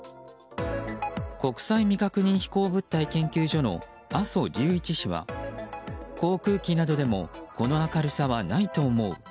国際未確認飛行物体研究所の阿曽隆一氏は航空機などでもこの明るさはないと思う。